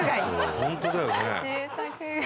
ホントだよね。